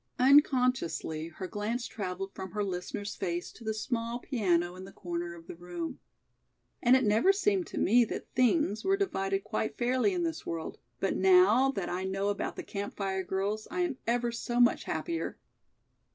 Unconsciously her glance traveled from her listener's face to the small piano in the corner of the room. "And it never seemed to me that things, were divided quite fairly in this world, but now that I know about the Camp Fire Girls I am ever so much happier."